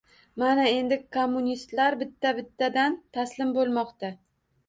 — Mana endi, kommunistlar bitta-bittadan taslim bo‘lmoqda.